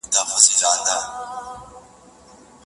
نجلۍ په درد کي ښورېږي او ساه يې درنه او سخته ده